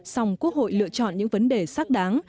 song quốc hội lựa chọn những vấn đề xác đáng